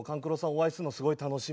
お会いするのすごい楽しみで。